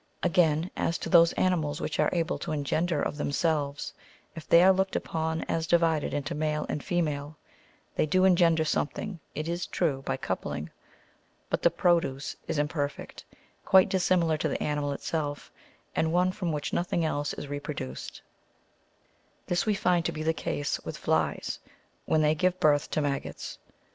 Again, as to those animals which are able to engender of themselves, if they are looked upon as divided into male and female, they do en gender something, it is true, by coupling, but the produce is im perfect, quite dissimilar to the animal itself, and one from which nothing else is reproduced; this we find to be the case with flies, when they give birth to maggots.